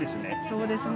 そうですね。